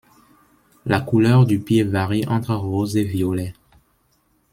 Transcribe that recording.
La couleur du pied varie entre rose et violet.